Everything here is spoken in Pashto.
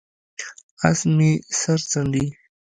اس مې سر څنډي،